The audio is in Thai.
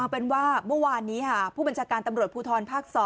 เป็นว่าเมื่อวานนี้ค่ะผู้บัญชาการตำรวจภูทรภาค๒